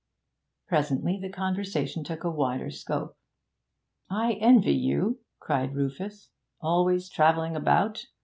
Presently the conversation took a wider scope. 'I envy you,' cried Rufus, 'always travelling about.